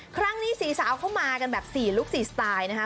ครั้งนี้๔สาวเข้ามากันแบบ๔ลุค๔สไตล์นะคะ